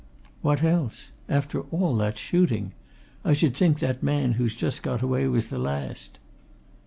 "What else? After all that shooting! I should think that man who's just got away was the last."